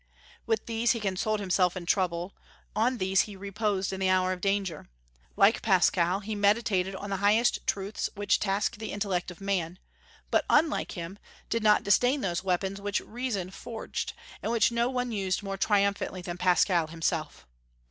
With these he consoled himself in trouble; on these he reposed in the hour of danger. Like Pascal he meditated on the highest truths which task the intellect of man, but, unlike him, did not disdain those weapons which reason forged, and which no one used more triumphantly than Pascal himself.